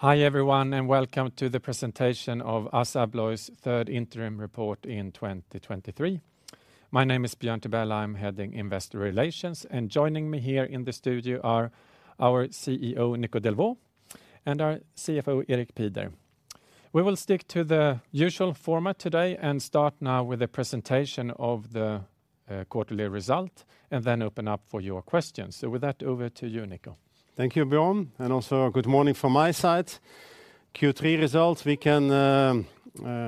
Hi, everyone, and welcome to the presentation of ASSA ABLOY's third interim report in 2023. My name is Björn Tibell. I'm heading Investor Relations, and joining me here in the studio are our CEO, Nico Delvaux, and our CFO, Erik Pieder. We will stick to the usual format today and start now with a presentation of the quarterly result and then open up for your questions. With that, over to you, Nico. Thank you, Björn, and also good morning from my side. Q3 results, we can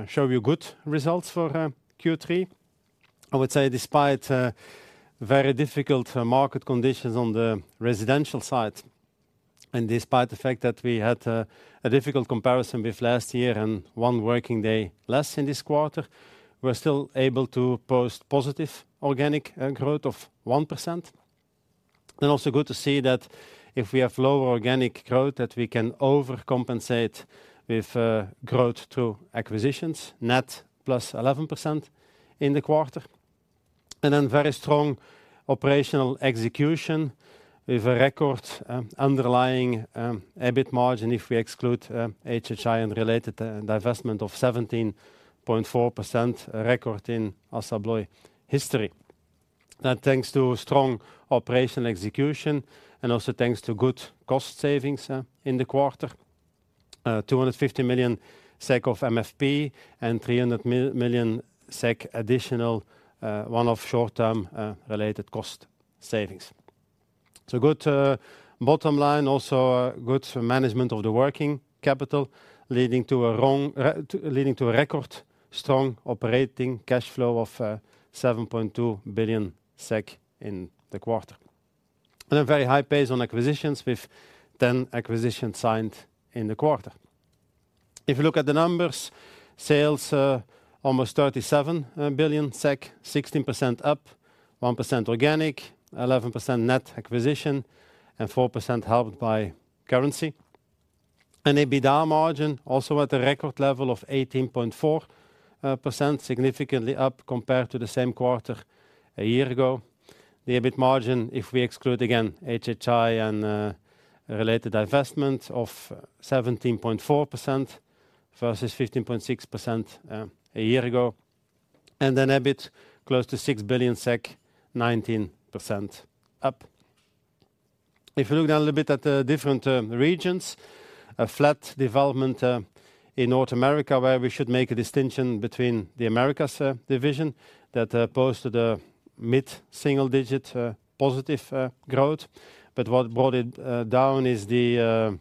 show you good results for Q3. I would say despite very difficult market conditions on the residential side, and despite the fact that we had a difficult comparison with last year and one working day less in this quarter, we're still able to post positive organic growth of 1%. Also good to see that if we have lower organic growth, that we can overcompensate with growth through acquisitions, net +11% in the quarter. Then very strong operational execution with a record underlying EBIT margin, if we exclude HHI and related divestment of 17.4%, a record in ASSA ABLOY history. Thanks to strong operational execution and also thanks to good cost savings in the quarter, 250 million SEK of MFP and 300 million SEK additional one-off short-term related cost savings. So good bottom line, also a good management of the working capital, leading to a record strong operating cash flow of 7.2 billion SEK in the quarter. And a very high pace on acquisitions, with 10 acquisitions signed in the quarter. If you look at the numbers, sales almost 37 billion SEK, 16% up, 1% organic, 11% net acquisition, and 4% helped by currency. And EBITDA margin also at a record level of 18.4%, significantly up compared to the same quarter a year ago. The EBIT margin, if we exclude again HHI and related divestment of 17.4% versus 15.6%, a year ago, and then EBIT close to 6 billion SEK, 19% up. If you look down a little bit at the different regions, a flat development in North America, where we should make a distinction between the Americas division, that posted a mid-single-digit positive growth. But what brought it down is the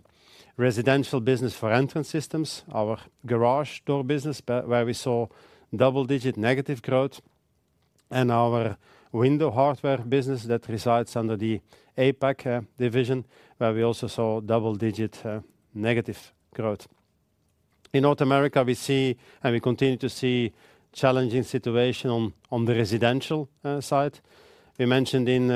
residential business for entrance systems, our garage door business, but where we saw double-digit negative growth, and our window hardware business that resides under the APAC division, where we also saw double-digit negative growth. In North America, we see, and we continue to see challenging situation on the residential side. We mentioned in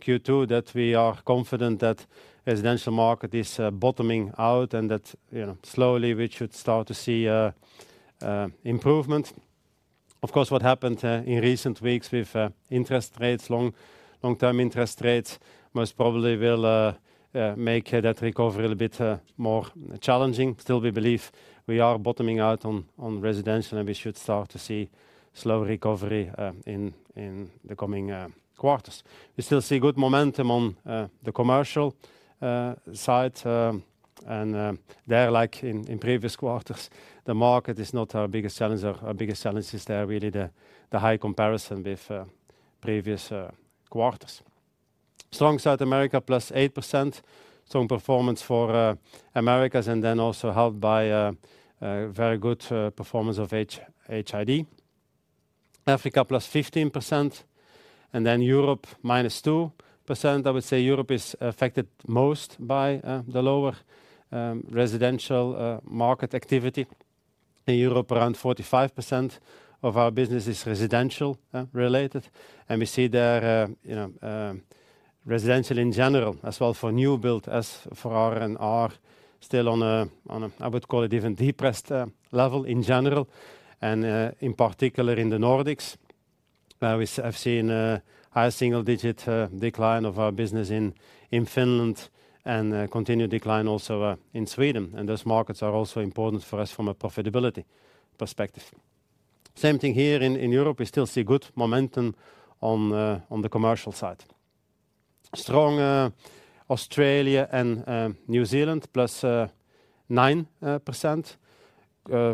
Q2 that we are confident that residential market is bottoming out and that, you know, slowly we should start to see an improvement. Of course, what happened in recent weeks with interest rates, long-term interest rates, most probably will make that recovery a little bit more challenging. Still, we believe we are bottoming out on residential, and we should start to see slow recovery in the coming quarters. We still see good momentum on the commercial side, and there, like in previous quarters, the market is not our biggest challenge. Our biggest challenge is there really the high comparison with previous quarters. Strong South America, +8%. Strong performance for Americas, and then also helped by a very good performance of HID. Africa, +15%, and then Europe, -2%. I would say Europe is affected most by the lower residential market activity. In Europe, around 45% of our business is residential related, and we see there, you know, residential in general, as well for new build as for R&R, still on a, I would call it even depressed level in general, and in particular in the Nordics. I've seen a high single-digit decline of our business in Finland and a continued decline also in Sweden, and those markets are also important for us from a profitability perspective. Same thing here in Europe, we still see good momentum on the commercial side. Strong Australia and New Zealand, +9%.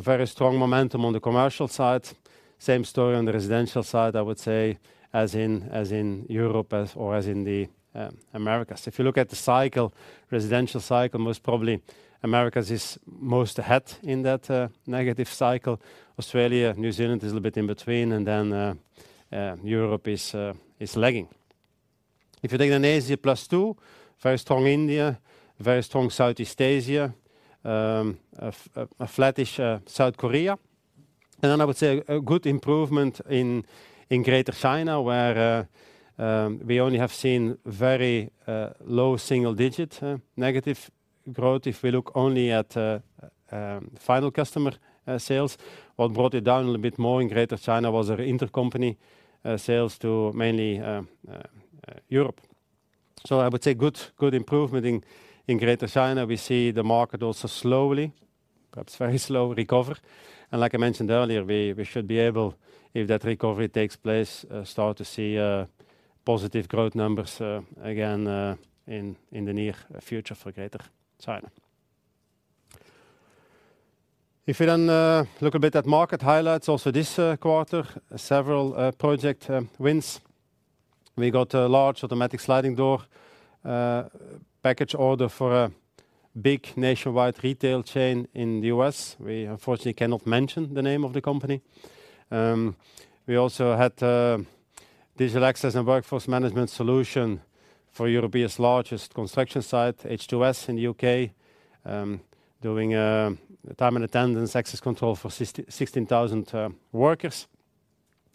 Very strong momentum on the commercial side. Same story on the residential side, I would say, as in Europe, or as in the Americas. If you look at the cycle, residential cycle, most probably Americas is most ahead in that negative cycle. Australia, New Zealand is a bit in between, and then Europe is lagging. If you take Asia, +2%, very strong India, very strong Southeast Asia, a flattish South Korea. And then I would say a good improvement in Greater China, where we only have seen very low single-digit negative growth. If we look only at final customer sales, what brought it down a little bit more in Greater China was our intercompany sales to mainly Europe. So I would say good, good improvement in Greater China. We see the market also slowly, perhaps very slowly recover. And like I mentioned earlier, we should be able, if that recovery takes place, start to see positive growth numbers again in the near future for Greater China. If you then look a bit at market highlights, also this quarter, several project wins. We got a large automatic sliding door package order for a big nationwide retail chain in the U.S. We unfortunately cannot mention the name of the company. We also had digital access and workforce management solution for Europe's largest construction site, HS2, in the UK, doing time and attendance access control for 16,000 workers.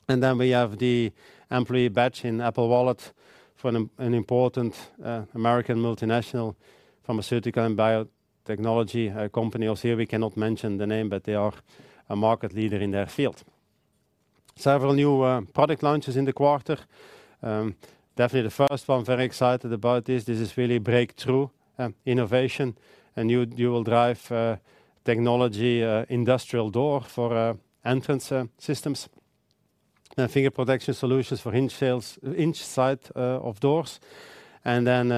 And then we have the employee badge in Apple Wallet for an important American multinational pharmaceutical and biotechnology company. Also, here we cannot mention the name, but they are a market leader in their field. Several new product launches in the quarter. Definitely the first one, very excited about this. This is really breakthrough innovation, and Yale drive technology industrial door for entrance systems, and finger protection solutions for hinge side inside of doors. And then,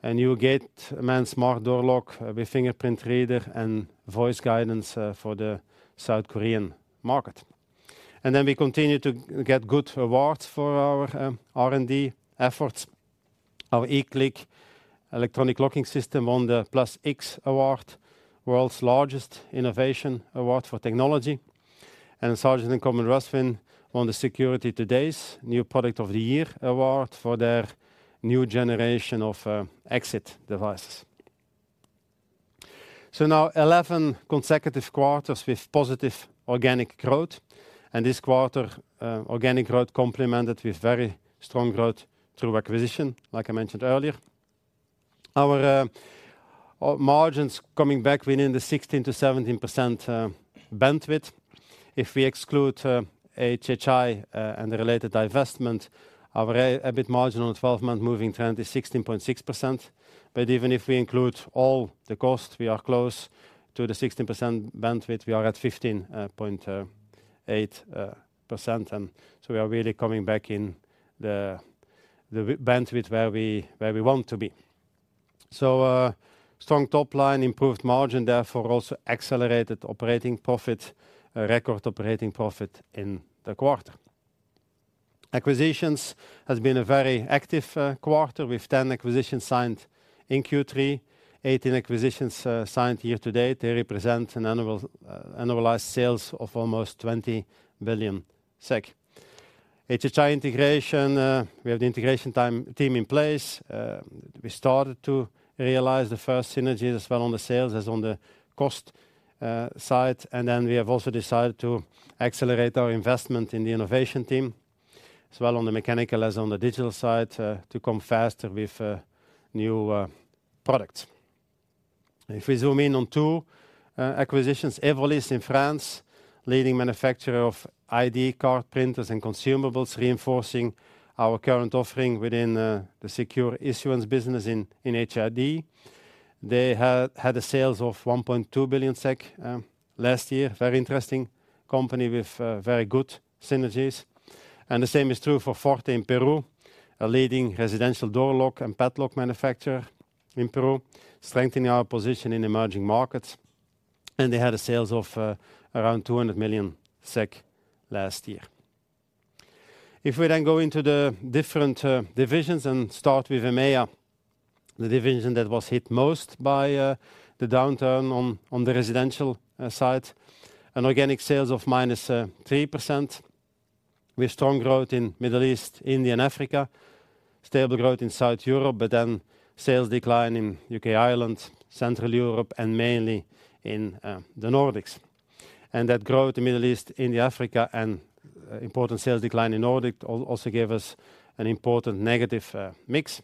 a new Gateman smart door lock with fingerprint reader and voice guidance for the South Korean market. Then we continue to get good awards for our R&D efforts. Our eCLIQ electronic locking system won the Plus X Award, world's largest innovation award for technology, and Sargent and Corbin Russwin won the Security Today's New Product of the Year award for their new generation of exit devices. Now 11 consecutive quarters with positive organic growth, and this quarter, organic growth complemented with very strong growth through acquisition, like I mentioned earlier. Our margins coming back within the 16%-17% bandwidth. If we exclude HHI and the related divestment, our EBIT margin on a 12-month moving trend is 16.6%. But even if we include all the costs, we are close to the 16% bandwidth, we are at 15.8%, and so we are really coming back in the bandwidth where we want to be. So, strong top line, improved margin, therefore, also accelerated operating profit, a record operating profit in the quarter. Acquisitions has been a very active quarter, with 10 acquisitions signed in Q3, 18 acquisitions signed year to date. They represent annualized sales of almost 20 billion SEK. HHI integration, we have the integration team in place. We started to realize the first synergies, as well on the sales, as on the cost side. And then we have also decided to accelerate our investment in the innovation team, as well on the mechanical as on the digital side, to come faster with new products. If we zoom in on two acquisitions, Evolis in France, leading manufacturer of ID card printers and consumables, reinforcing our current offering within the secure issuance business in HID. They had sales of 1.2 billion SEK last year. Very interesting company with very good synergies. And the same is true for Forte in Peru, a leading residential door lock and padlock manufacturer in Peru, strengthening our position in emerging markets, and they had sales of around 200 million SEK last year. If we then go into the different divisions and start with EMEIA, the division that was hit most by the downturn on the residential side. Organic sales of -3%, with strong growth in Middle East, India, and Africa. Stable growth in South Europe, but then sales decline in UK, Ireland, Central Europe, and mainly in the Nordics. And that growth, the Middle East, India, Africa, and important sales decline in Nordic also gave us an important negative mix.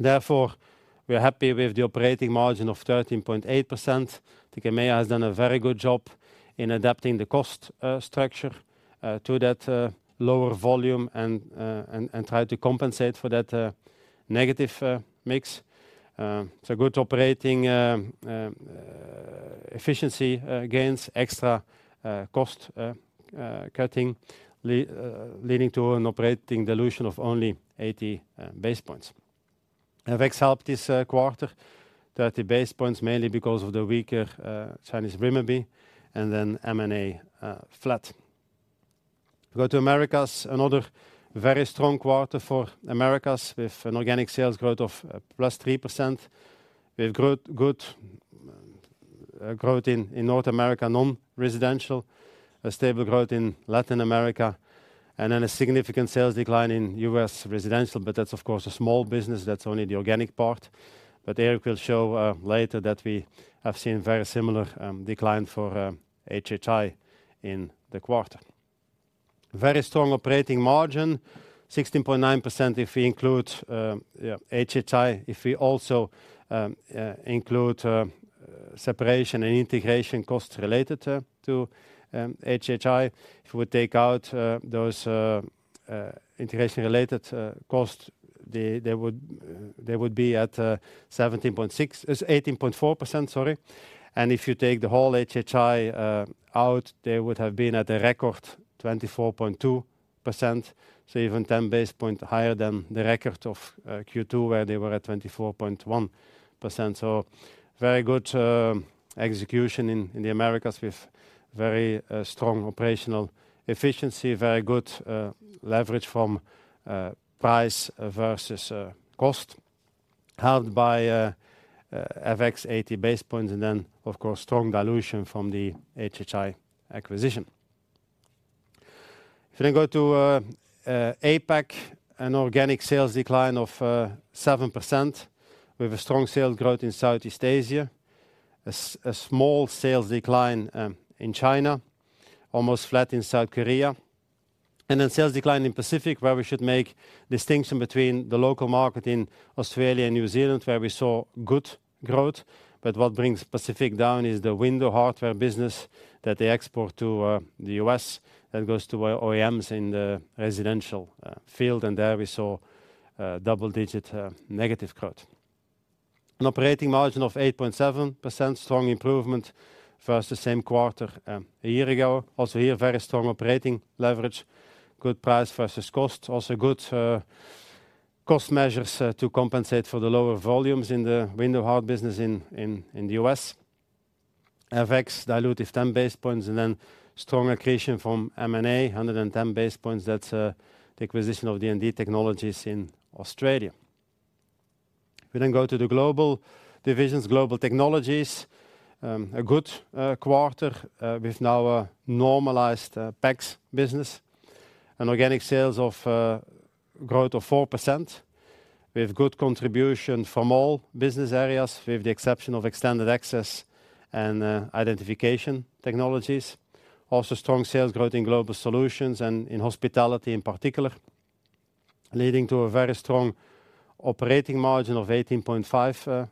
Therefore, we are happy with the operating margin of 13.8%. The EMEIA has done a very good job in adapting the cost structure to that lower volume and try to compensate for that negative mix. So good operating efficiency gains, extra cost cutting leading to an operating dilution of only 80 basis points. And FX helped this quarter, 30 basis points, mainly because of the weaker Chinese renminbi and then M&A flat. Go to Americas, another very strong quarter for Americas, with an organic sales growth of +3%. We have growth, good growth in North America, non-residential, a stable growth in Latin America, and then a significant sales decline in U.S. residential, but that's of course, a small business, that's only the organic part. But Erik will show later that we have seen very similar decline for HHI in the quarter. Very strong operating margin, 16.9%, if we include yeah, HHI. If we also include separation and integration costs related to HHI. If we take out those integration-related costs, they would be at 17.6%-18.4%, sorry. And if you take the whole HHI out, they would have been at a record 24.2%, so even 10 basis points higher than the record of Q2, where they were at 24.1%. So very good execution in the Americas with very strong operational efficiency. Very good leverage from price versus cost, helped by FX 80 basis points, and then, of course, strong dilution from the HHI acquisition. If you then go to APAC, an organic sales decline of 7%, with a strong sales growth in Southeast Asia. A small sales decline in China, almost flat in South Korea, and then sales decline in Pacific, where we should make distinction between the local market in Australia and New Zealand, where we saw good growth. But what brings Pacific down is the window hardware business that they export to the U.S. That goes to OEMs in the residential field, and there we saw double-digit negative growth. An operating margin of 8.7%, strong improvement versus the same quarter a year ago. Also here, very strong operating leverage, good price versus cost. Also good cost measures to compensate for the lower volumes in the window hardware business in the U.S. FX dilutive 10 basis points, and then strong accretion from M&A, 110 basis points. That's the acquisition of D&D Technologies in Australia. We then go to the global divisions. Global Technologies, a good quarter with now a normalized PACS business and organic sales growth of 4%. We have good contribution from all business areas, with the exception of Extended Access and Identification Technologies. Also strong sales growth in Global Solutions and in hospitality in particular, leading to a very strong operating margin of 18.5%.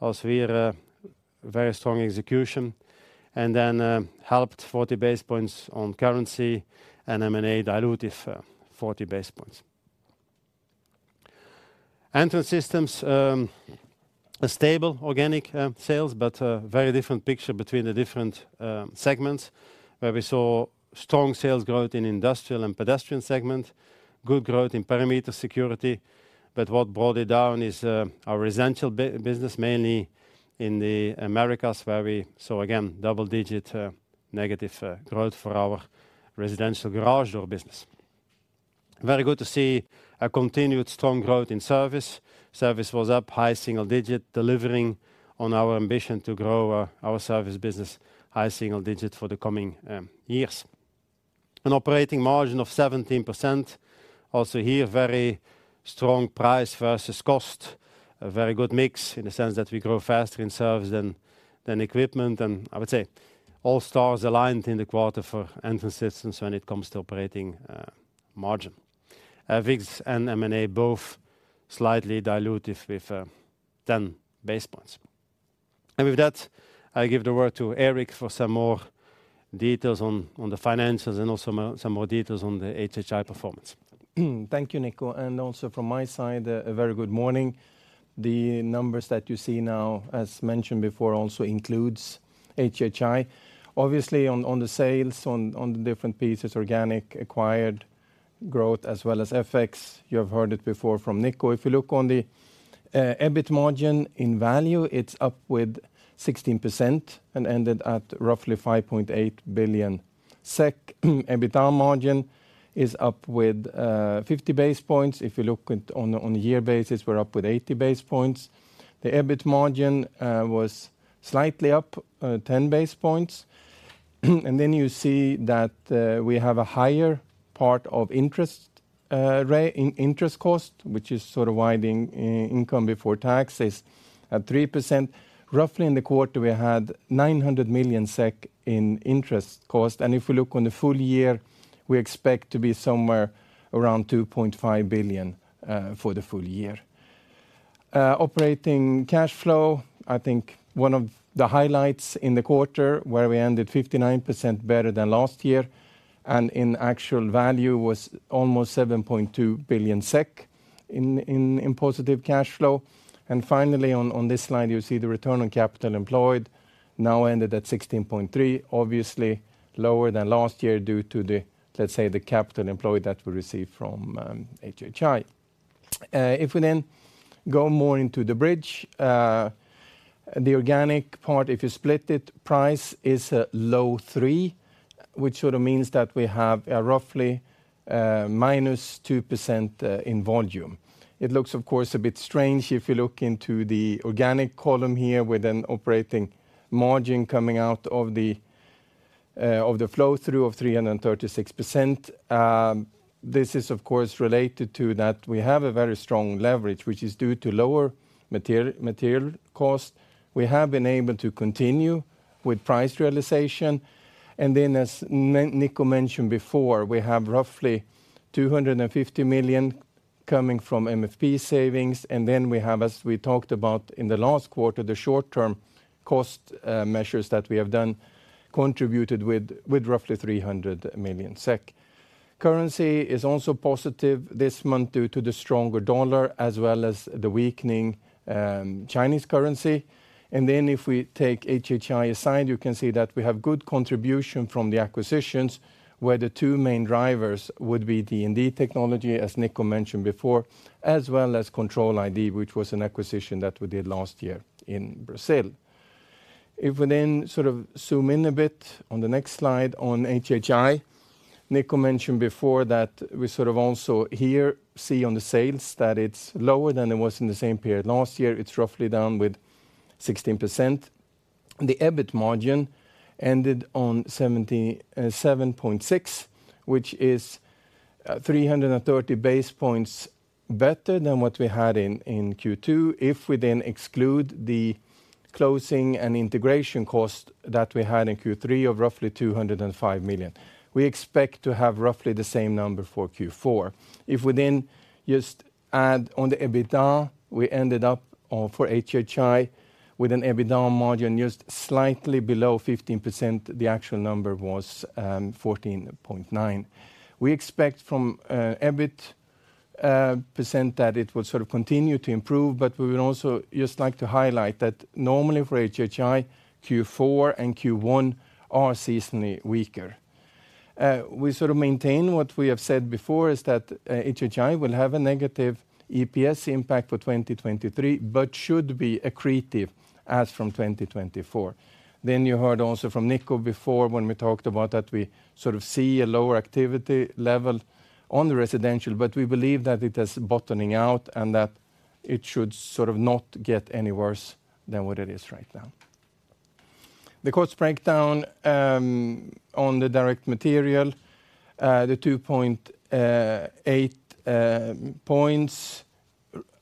Also here, a very strong execution and then helped 40 basis points on currency and M&A dilutive 40 basis points. Entrance Systems, a stable organic sales, but a very different picture between the different segments, where we saw strong sales growth in industrial and pedestrian segment, good growth in perimeter security. But what brought it down is our residential business, mainly in the Americas, where we saw, again, double-digit negative growth for our residential garage door business. Very good to see a continued strong growth in service. Service was up high single-digit, delivering on our ambition to grow our service business high single-digit for the coming years. An operating margin of 17%. Also here, very strong price versus cost. A very good mix in the sense that we grow faster in service than equipment. And I would say all stars aligned in the quarter for Entrance Systems when it comes to operating margin. FX and M&A both slightly dilutive with 10 basis points. And with that, I give the word to Erik for some more details on the financials and also some more details on the HHI performance. Thank you, Nico. Also from my side, a very good morning. The numbers that you see now, as mentioned before, also includes HHI. Obviously, on, on the sales, on, on the different pieces, organic, acquired growth, as well as FX. You have heard it before from Nico. If you look on the EBIT margin, in value, it's up with 16% and ended at roughly 5.8 billion SEK. EBITDA margin is up with 50 base points. If you look at on a, on a year basis, we're up with 80 base points. The EBIT margin was slightly up 10 base points. And then you see that we have a higher part of interest in interest cost, which is sort of widening income before taxes at 3%. Roughly in the quarter, we had 900 million SEK in interest cost, and if you look on the full year, we expect to be somewhere around 2.5 billion for the full year. Operating cash flow, I think one of the highlights in the quarter, where we ended 59% better than last year, and in actual value was almost 7.2 billion SEK in positive cash flow. And finally, on this slide, you see the return on capital employed now ended at 16.3%. Obviously, lower than last year due to the, let's say, the capital employed that we received from HHI. If we then go more into the bridge, the organic part, if you split it, price is a low three, which sort of means that we have a roughly -2% in volume. It looks, of course, a bit strange if you look into the organic column here, with an operating margin coming out of the of the flow through of 336%. This is of course related to that we have a very strong leverage, which is due to lower material cost. We have been able to continue with price realization, and then, as Nico mentioned before, we have roughly 250 million coming from MFP savings, and then we have, as we talked about in the last quarter, the short-term cost measures that we have done contributed with roughly 300 million SEK. Currency is also positive this month due to the stronger dollar, as well as the weakening Chinese currency. Then if we take HHI aside, you can see that we have good contribution from the acquisitions, where the two main drivers would be D&D Technologies, as Nico mentioned before, as well as Control iD, which was an acquisition that we did last year in Brazil. If we then sort of zoom in a bit on the next slide on HHI, Nico mentioned before that we sort of also here see on the sales that it's lower than it was in the same period last year. It's roughly down 16%. The EBIT margin ended on 77.6, which is 330 basis points better than what we had in Q2. If we then exclude the closing and integration cost that we had in Q3 of roughly 205 million, we expect to have roughly the same number for Q4. If we then just add on the EBITDA, we ended up for HHI with an EBITDA margin just slightly below 15%. The actual number was 14.9. We expect from EBIT % that it will sort of continue to improve, but we would also just like to highlight that normally for HHI, Q4 and Q1 are seasonally weaker. We sort of maintain what we have said before, is that HHI will have a negative EPS impact for 2023, but should be accretive as from 2024. Then you heard also from Nico before, when we talked about that we sort of see a lower activity level on the residential, but we believe that it is bottoming out and that it should sort of not get any worse than what it is right now. The cost breakdown, on the direct material, the 2.8 points,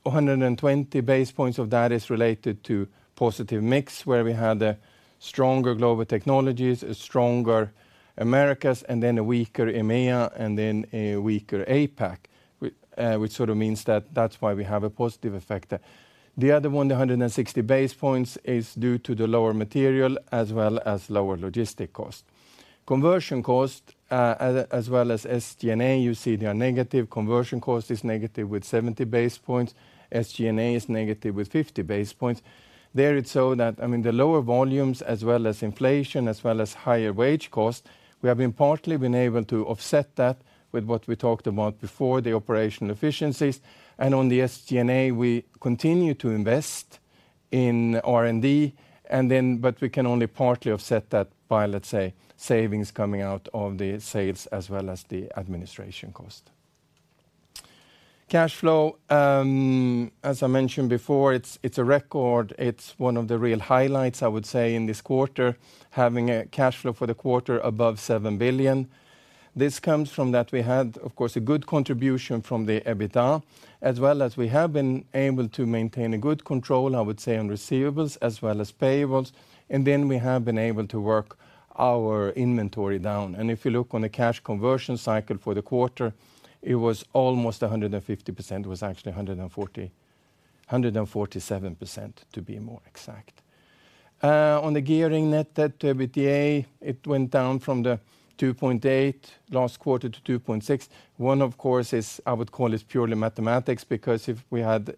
120 basis points of that is related to positive mix, where we had a stronger Global Technologies, a stronger Americas, and then a weaker EMEIA, and then a weaker APAC, which sort of means that that's why we have a positive effect there. The other one, the 160 basis points, is due to the lower material as well as lower logistic cost. Conversion cost, as well as SG&A, you see they are negative. Conversion cost is negative with 70 basis points. SG&A is negative with 50 basis points. There it's so that, I mean, the lower volumes, as well as inflation, as well as higher wage cost, we have partly been able to offset that with what we talked about before, the operational efficiencies, and on the SG&A, we continue to invest in R&D. But we can only partly offset that by, let's say, savings coming out of the sales as well as the administration cost. Cash flow, as I mentioned before, it's a record. It's one of the real highlights, I would say, in this quarter, having a cash flow for the quarter above 7 billion. This comes from that we had, of course, a good contribution from the EBITDA, as well as we have been able to maintain a good control, I would say, on receivables as well as payables, and then we have been able to work our inventory down. If you look on the cash conversion cycle for the quarter, it was almost 150%. It was actually 147%, to be more exact. On the gearing net debt to EBITDA, it went down from the 2.8 last quarter to 2.6. One, of course, is I would call this purely mathematics, because if we had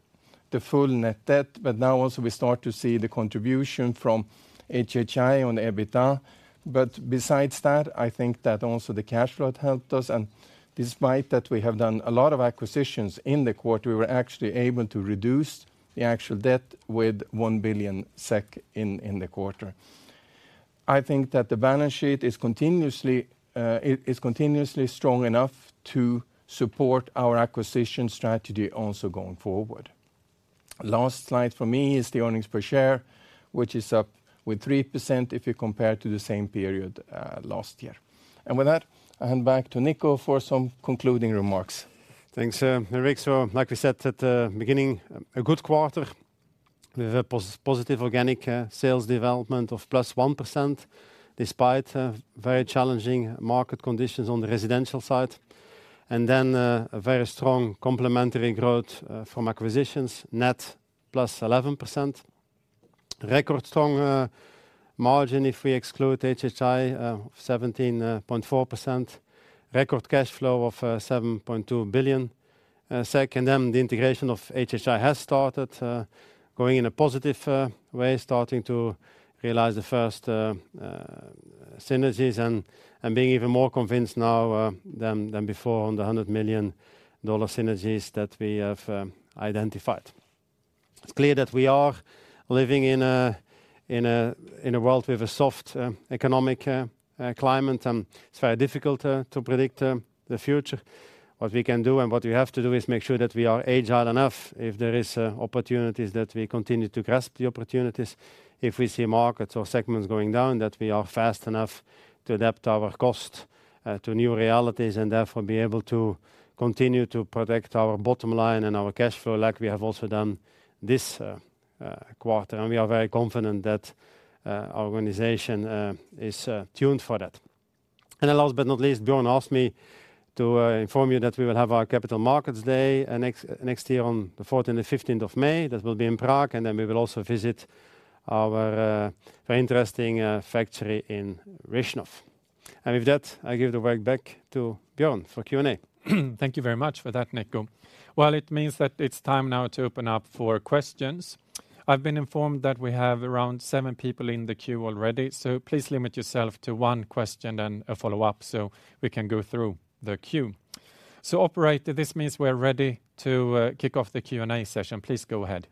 the full net debt, but now also we start to see the contribution from HHI on the EBITDA. But besides that, I think that also the cash flow helped us, and despite that, we have done a lot of acquisitions in the quarter. We were actually able to reduce the actual debt with 1 billion SEK in the quarter. I think that the balance sheet is continuously, it is continuously strong enough to support our acquisition strategy also going forward. Last slide for me is the earnings per share, which is up with 3% if you compare to the same period last year. And with that, I hand back to Nico for some concluding remarks. Thanks, Erik. So like we said at the beginning, a good quarter. We have a positive organic sales development of +1%, despite very challenging market conditions on the residential side, and then a very strong complementary growth from acquisitions, net +11%. Record strong margin, if we exclude HHI, 17.4%. Record cash flow of 7.2 billion SEK, and then the integration of HHI has started going in a positive way, starting to realize the first synergies and being even more convinced now than before on the $100 million synergies that we have identified. It's clear that we are living in a world with a soft economic climate, and it's very difficult to predict the future. What we can do and what we have to do is make sure that we are agile enough. If there is opportunities, that we continue to grasp the opportunities. If we see markets or segments going down, that we are fast enough to adapt our cost to new realities, and therefore be able to continue to protect our bottom line and our cash flow, like we have also done this quarter, and we are very confident that our organization is tuned for that. And then last but not least, Björn asked me to inform you that we will have our capital markets day next year on the fourteenth and fifteenth of May. That will be in Prague, and then we will also visit our very interesting factory in Rychnov. And with that, I give the work back to Björn for Q&A. Thank you very much for that, Nico. Well, it means that it's time now to open up for questions. I've been informed that we have around seven people in the queue already, so please limit yourself to one question and a follow-up so we can go through the queue. So operator, this means we're ready to kick off the Q&A session. Please go ahead.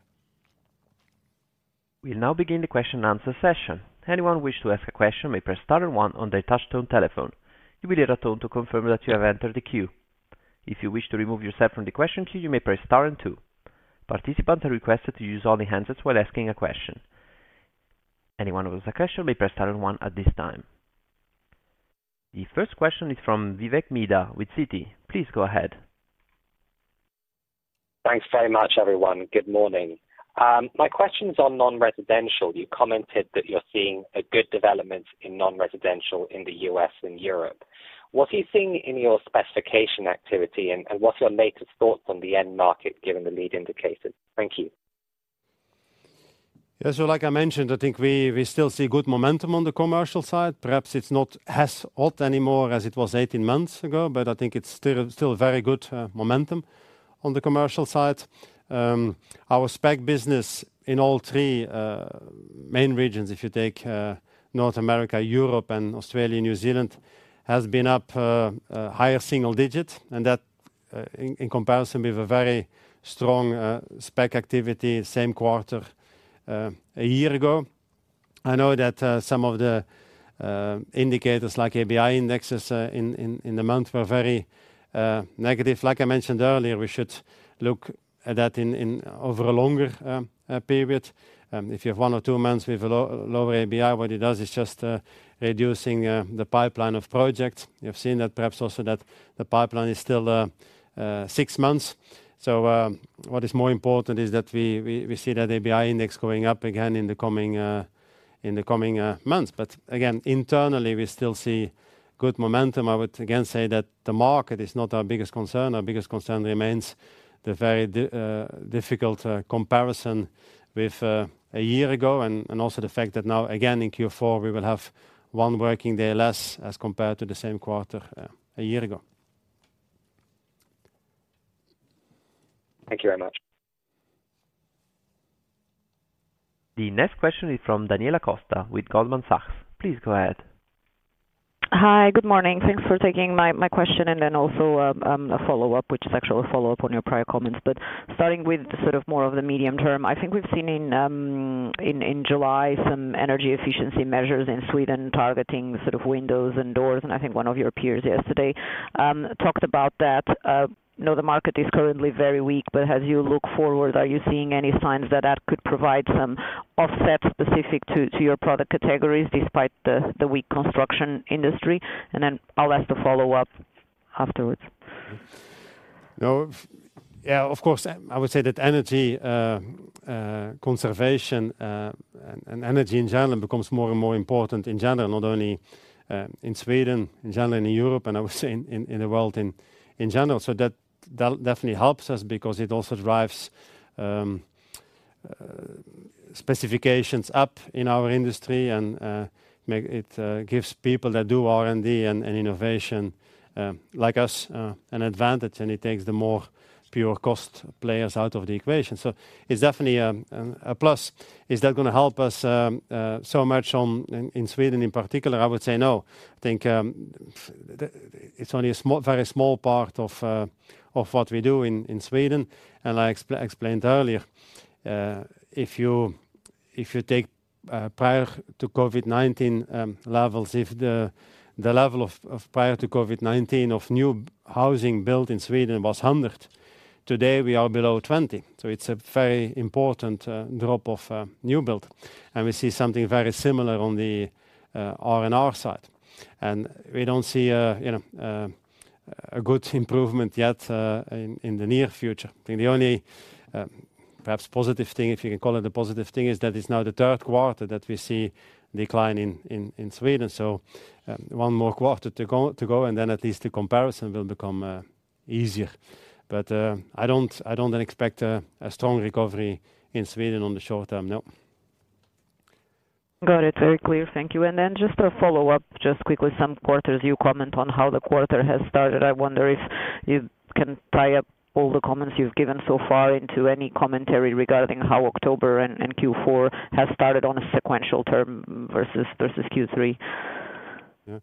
We'll now begin the question and answer session. Anyone wish to ask a question may press star and one on their touchtone telephone. You will hear a tone to confirm that you have entered the queue. If you wish to remove yourself from the question queue, you may press star and two. Participants are requested to use only handsets while asking a question. Anyone who has a question may press star and one at this time. The first question is from Vivek Midha with Citi. Please go ahead. Thanks very much, everyone. Good morning. My question's on non-residential. You commented that you're seeing a good development in non-residential in the U.S. and Europe. What are you seeing in your specification activity, and, and what's your latest thoughts on the end market, given the lead indicators? Thank you. Yeah, so like I mentioned, I think we, we still see good momentum on the commercial side. Perhaps it's not as hot anymore as it was 18 months ago, but I think it's still, still very good momentum on the commercial side. Our spec business in all three main regions, if you take North America, Europe and Australia, New Zealand, has been up a higher single digit, and that in comparison with a very strong spec activity same quarter a year ago. I know that some of the indicators, like ABI indexes in the month were very negative. Like I mentioned earlier, we should look at that in over a longer period. If you have one or two months with a lower ABI, what it does is just reducing the pipeline of projects. You've seen that perhaps also that the pipeline is still six months. So, what is more important is that we see that ABI index going up again in the coming months. But again, internally we still see good momentum. I would again say that the market is not our biggest concern. Our biggest concern remains the very difficult comparison with a year ago, and also the fact that now again in Q4, we will have one working day less as compared to the same quarter a year ago. Thank you very much. The next question is from Daniela Costa with Goldman Sachs. Please go ahead. Hi, good morning. Thanks for taking my question and then also a follow-up, which is actually a follow-up on your prior comments. But starting with sort of more of the medium term, I think we've seen in July, some energy efficiency measures in Sweden targeting sort of windows and doors, and I think one of your peers yesterday talked about that. I know the market is currently very weak, but as you look forward, are you seeing any signs that that could provide some offset specific to your product categories despite the weak construction industry? And then I'll ask the follow-up afterwards. No. Yeah, of course. I would say that energy conservation and energy in general becomes more and more important in general, not only in Sweden, in general, in Europe, and I would say in the world, in general. So that definitely helps us because it also drives specifications up in our industry and gives people that do R&D and innovation like us an advantage, and it takes the more pure cost players out of the equation. So it's definitely a plus. Is that gonna help us so much in Sweden in particular? I would say no. I think it's only a small, very small part of what we do in Sweden. And like I explained earlier, if you take prior to COVID-19 levels, if the level of prior to COVID-19 of new housing built in Sweden was 100, today we are below 20. So it's a very important drop of new build, and we see something very similar on the R&R side. And we don't see a you know a good improvement yet in the near future. I think the only perhaps positive thing, if you can call it a positive thing, is that it's now the third quarter that we see decline in Sweden. So one more quarter to go, and then at least the comparison will become easier. But I don't expect a strong recovery in Sweden on the short term. No. Got it. Very clear. Thank you. And then just a follow-up, just quickly, some quarters you comment on how the quarter has started. I wonder if you can tie up all the comments you've given so far into any commentary regarding how October and, and Q4 has started on a sequential term versus, versus Q3? Yeah.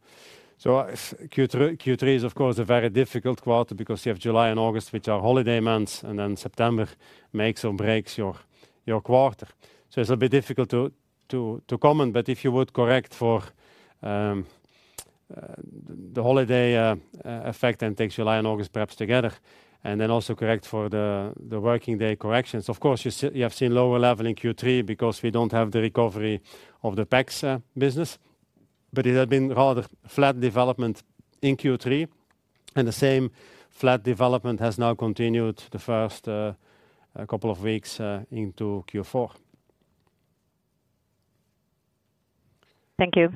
So Q3, Q3 is of course a very difficult quarter because you have July and August, which are holiday months, and then September makes or breaks your, your quarter. So it's a bit difficult to comment, but if you would correct for the holiday effect and take July and August perhaps together, and then also correct for the working day corrections. Of course, you have seen lower level in Q3 because we don't have the recovery of the PACS business, but it has been rather flat development in Q3, and the same flat development has now continued the first couple of weeks into Q4. Thank you.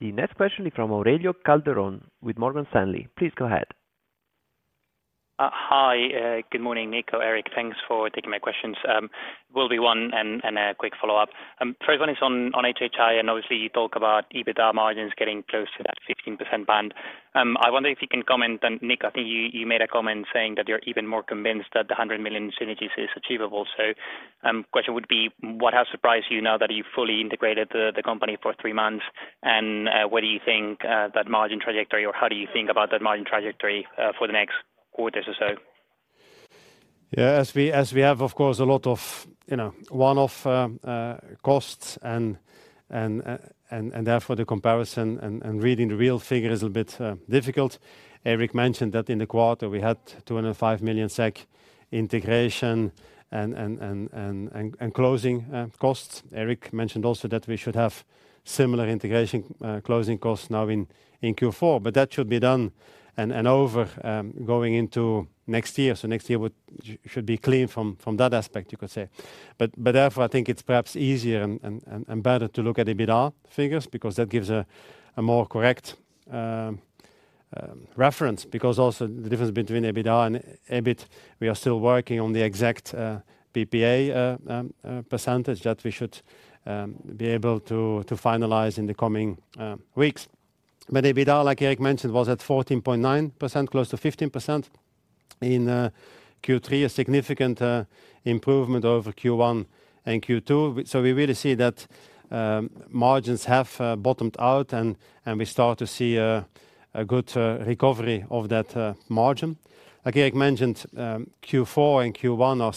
The next question is from Aurelio Calderon with Morgan Stanley. Please go ahead. Hi. Good morning, Nico, Erik. Thanks for taking my questions. Will be one and a quick follow-up. First one is on HHI, and obviously you talk about EBITDA margins getting close to that 15% band. I wonder if you can comment, and Nick, I think you made a comment saying that you're even more convinced that the $100 million synergies is achievable. So, question would be, what has surprised you now that you've fully integrated the company for three months? And, what do you think that margin trajectory, or how do you think about that margin trajectory, for the next quarters or so? Yeah, as we have, of course, a lot of, you know, one-off costs and therefore, the comparison and reading the real figure is a bit difficult. Erik mentioned that in the quarter we had 205 million SEK SAC integration and closing costs. Erik mentioned also that we should have similar integration closing costs now in Q4, but that should be done and over going into next year. So next year should be clear from that aspect, you could say. But therefore, I think it's perhaps easier and better to look at EBITDA figures, because that gives a more correct reference. Because also the difference between EBITDA and EBIT, we are still working on the exact PPA percentage that we should be able to finalize in the coming weeks. But EBITDA, like Erik mentioned, was at 14.9%, close to 15%. In Q3, a significant improvement over Q1 and Q2. So we really see that margins have bottomed out, and we start to see a good recovery of that margin. Like Erik mentioned, Q4 and Q1 are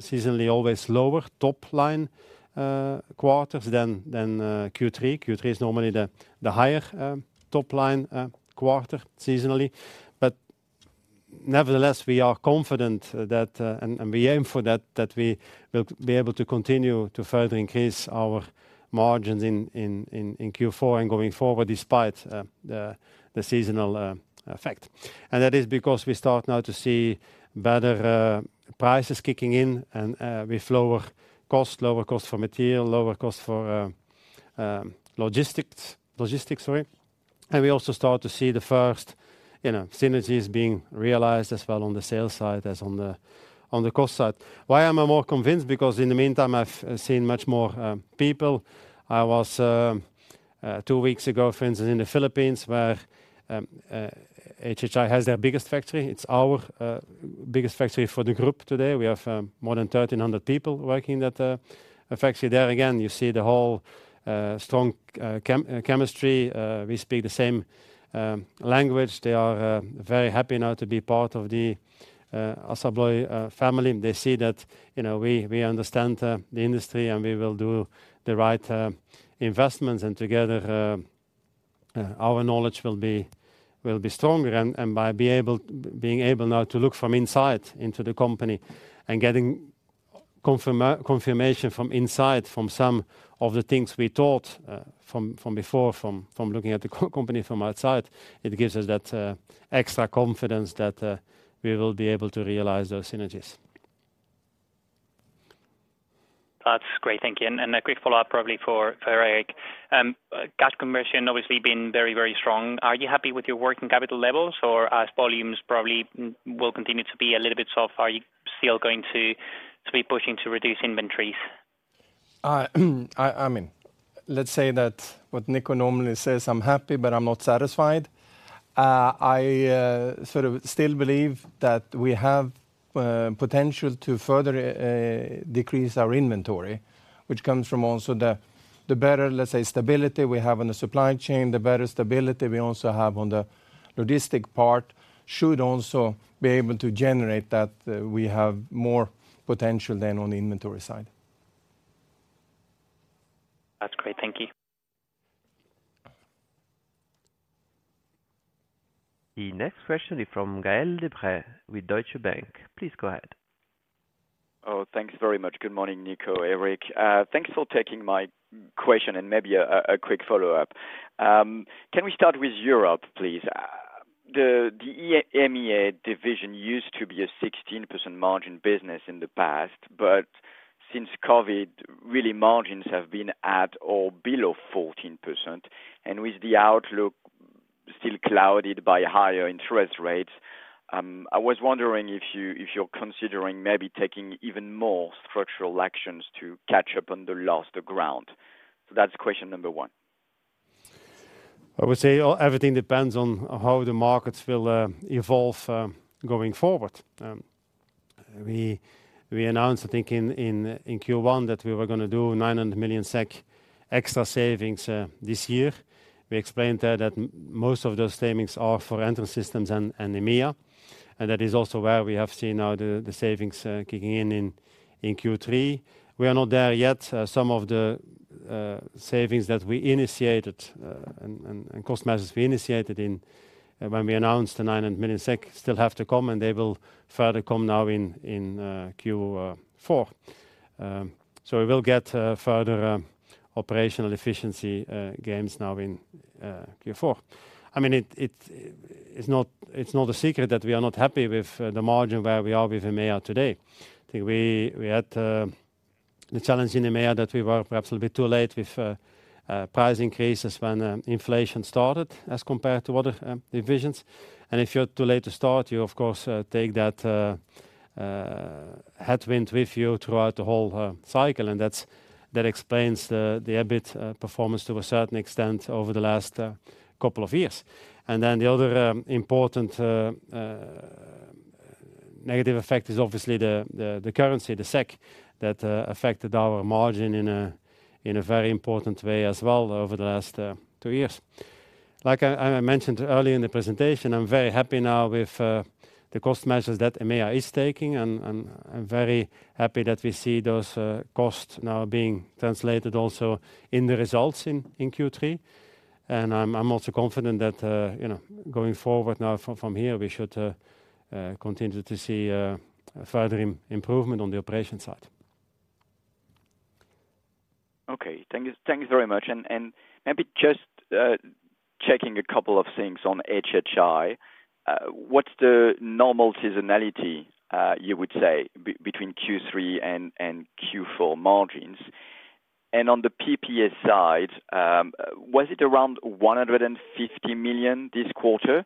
seasonally always lower top line quarters than Q3. Q3 is normally the higher top line quarter, seasonally. But nevertheless, we are confident that, and we aim for that, that we will be able to continue to further increase our margins in Q4 and going forward, despite the seasonal effect. And that is because we start now to see better prices kicking in and with lower cost, lower cost for material, lower cost for logistics, logistics sorry. And we also start to see the first, you know, synergies being realized as well on the sales side, as on the cost side. Why am I more convinced? Because in the meantime, I've seen much more people. I was two weeks ago, for instance, in the Philippines, where HHI has their biggest factory. It's our biggest factory for the group today. We have more than 1,300 people working at the factory. There again, you see the whole strong chemistry, we speak the same language. They are very happy now to be part of the ASSA ABLOY family. They see that, you know, we understand the industry, and we will do the right investments, and together our knowledge will be stronger. And by being able now to look from inside into the company and getting confirmation from inside, from some of the things we thought from before, from looking at the company from outside, it gives us that extra confidence that we will be able to realize those synergies. That's great, thank you. And a quick follow-up, probably for Erik. Cash conversion obviously been very, very strong. Are you happy with your working capital levels? Or as volumes probably will continue to be a little bit soft, are you still going to be pushing to reduce inventories? I mean, let's say that what Nico normally says, "I'm happy, but I'm not satisfied." I sort of still believe that we have potential to further decrease our inventory, which comes from also the better, let's say, stability we have on the supply chain, the better stability we also have on the logistics part, should also be able to generate that, we have more potential on the inventory side. That's great. Thank you. The next question is from Gael de Bray with Deutsche Bank. Please go ahead. Oh, thanks very much. Good morning, Nico, Erik. Thanks for taking my question and maybe a quick follow-up. Can we start with Europe, please? The EMEIA division used to be a 16% margin business in the past, but since COVID, really, margins have been at or below 14%, and with the outlook still clouded by higher interest rates, I was wondering if you, if you're considering maybe taking even more structural actions to catch up on the lost ground. So that's question number one. I would say everything depends on how the markets will evolve going forward. We announced, I think, in Q1, that we were gonna do 900 million SEK extra savings this year. We explained that most of those savings are for entrance systems and EMEIA, and that is also where we have seen now the savings kicking in in Q3. We are not there yet. Some of the savings that we initiated and cost measures we initiated when we announced the 900 million SEK still have to come, and they will further come now in Q4. So we will get further operational efficiency gains now in Q4. I mean, it's not a secret that we are not happy with the margin where we are with EMEIA today. I think we had the challenge in EMEIA that we were perhaps a little bit too late with price increases when inflation started as compared to other divisions. And if you're too late to start, you of course take that headwind with you throughout the whole cycle, and that explains the EBIT performance to a certain extent over the last couple of years. And then the other important negative effect is obviously the currency, the SEK, that affected our margin in a very important way as well over the last two years. Like I mentioned earlier in the presentation, I'm very happy now with the cost measures that EMEIA is taking, and I'm very happy that we see those costs now being translated also in the results in Q3. I'm also confident that, you know, going forward now from here, we should continue to see a further improvement on the operation side. Okay. Thank you. Thank you very much. And maybe just checking a couple of things on HHI. What's the normal seasonality you would say between Q3 and Q4 margins? And on the PPA side, was it around 150 million this quarter?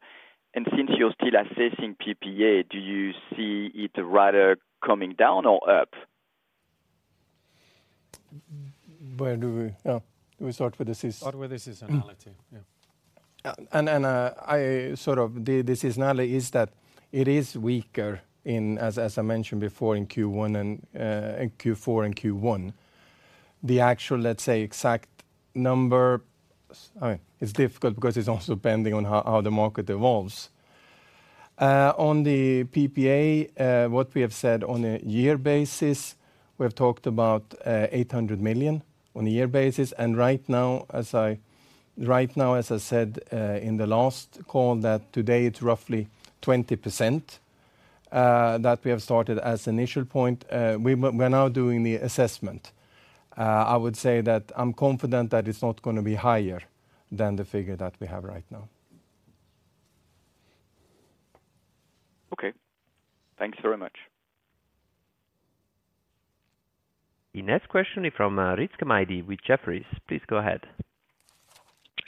And since you're still assessing PPA, do you see it rather coming down or up? Oh, we start with the seasonality. Start with the seasonality, yeah. And, I sort of, the seasonality is that it is weaker in, as I mentioned before, in Q1 and in Q4 and Q1. The actual, let's say, exact number is difficult because it's also pending on how the market evolves. On the PPA, what we have said on a year basis, we've talked about 800 million on a year basis. And right now, as I said in the last call, that today it's roughly 20% that we have started as an initial point. We, we're now doing the assessment. I would say that I'm confident that it's not gonna be higher than the figure that we have right now. Okay. Thanks very much. The next question is from, Rizk Maidi with Jefferies. Please go ahead.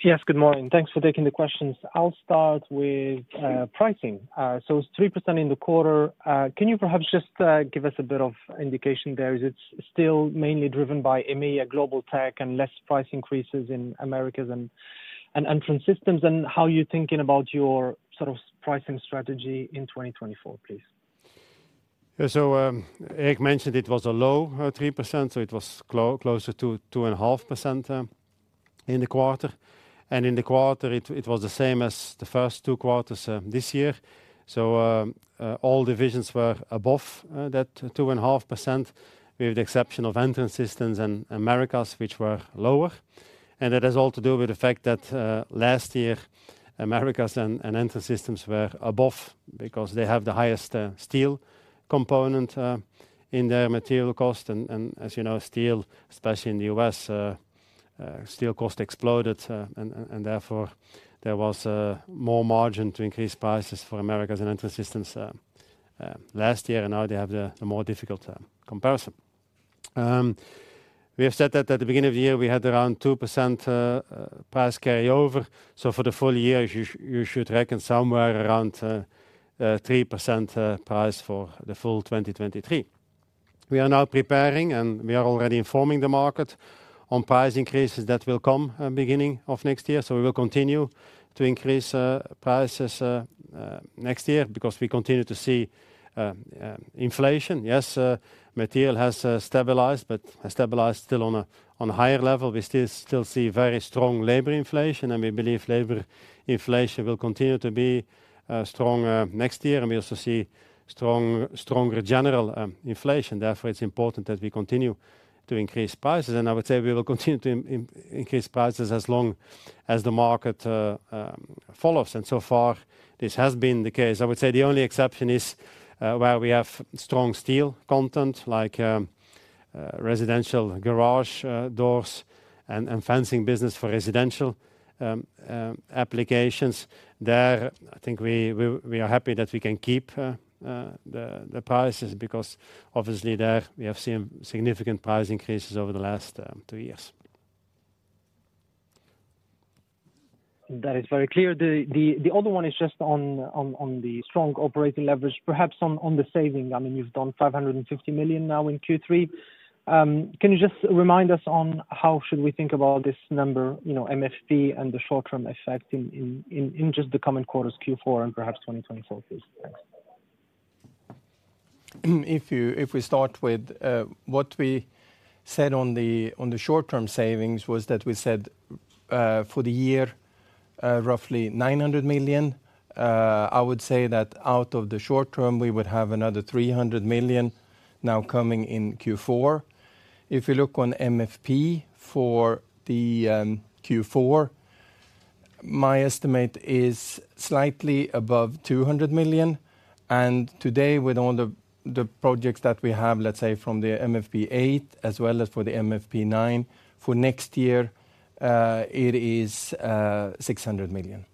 Yes, good morning. Thanks for taking the questions. I'll start with pricing. So it's 3% in the quarter. Can you perhaps just give us a bit of indication there? Is it still mainly driven by EMEIA Global Tech and less price increases in Americas and Entrance Systems? And how are you thinking about your sort of pricing strategy in 2024, please? Yeah. So, Erik mentioned it was a low 3%, so it was closer to 2.5%, in the quarter. And in the quarter, it was the same as the first two quarters this year. So, all divisions were above that 2.5%, with the exception of Entrance Systems and Americas, which were lower. And that has all to do with the fact that last year, Americas and Entrance Systems were above because they have the highest steel component in their material cost. And as you know, steel, especially in the U.S., steel cost exploded, and therefore, there was more margin to increase prices for Americas and Entrance Systems last year, and now they have the more difficult comparison. We have said that at the beginning of the year, we had around 2% price carryover. So for the full year, you should reckon somewhere around 3% price for the full 2023. We are now preparing, and we are already informing the market on price increases that will come beginning of next year. So we will continue to increase prices next year because we continue to see inflation. Yes, material has stabilized, but has stabilized still on a higher level. We still see very strong labor inflation, and we believe labor inflation will continue to be strong next year. And we also see stronger general inflation. Therefore, it's important that we continue to increase prices. I would say we will continue to increase prices as long as the market follows. So far, this has been the case. I would say the only exception is where we have strong steel content, like residential garage doors and fencing business for residential applications. There, I think we are happy that we can keep the prices, because obviously there we have seen significant price increases over the last two years. That is very clear. The other one is just on the strong operating leverage, perhaps on the saving. I mean, you've done 550 million now in Q3. Can you just remind us on how should we think about this number, you know, MFP and the short-term effect in just the coming quarters, Q4 and perhaps 2024, please? Thanks. If we start with what we said on the short-term savings, was that we said for the year roughly 900 million. I would say that out of the short term, we would have another 300 million now coming in Q4. If you look on MFP for the Q4. My estimate is slightly above 200 million. And today, with all the projects that we have, let's say, from the MFP 8 as well as for the MFP 9, for next year, it is SEK 600 million.